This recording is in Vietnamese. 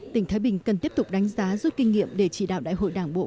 tỉnh thái bình cần tiếp tục đánh giá rút kinh nghiệm để chỉ đạo đại hội đảng bộ